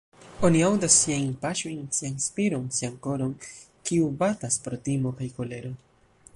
Oni aŭdas siajn paŝojn, sian spiron, sian koron, kiu batas pro timo kaj kolero...